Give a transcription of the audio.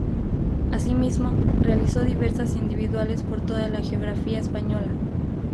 Asimismo, realiza diversas individuales por toda la geografía española.